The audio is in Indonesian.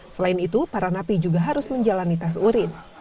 selain itu para napi juga harus menjalani tes urin